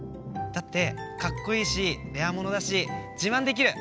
だってかっこいいしレアものだしじまんできる。